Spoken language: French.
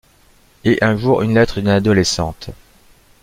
Et, un jour, une lettre d'une adolescente.